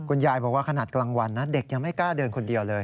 คุณยายบอกว่าขนาดกลางวันนะเด็กยังไม่กล้าเดินคนเดียวเลย